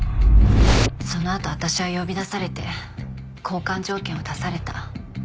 そのあと私は呼び出されて交換条件を出された。